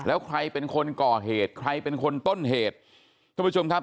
แล้วใครเป็นคนก่อเหตุใครเป็นคนต้นเหตุท่านผู้ชมครับ